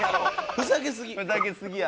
ふざけすぎや。